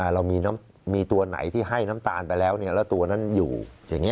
เรามีตัวไหนที่ให้น้ำตาลไปแล้วแล้วตัวนั้นอยู่อย่างนี้